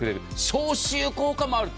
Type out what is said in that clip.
消臭効果もある。